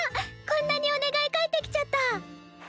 こんなにお願い書いてきちゃった